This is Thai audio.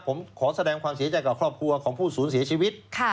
ผมขอแสดงความเสียใจกับครอบครัวของผู้สูญเสียชีวิต